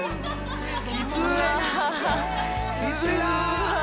きついな！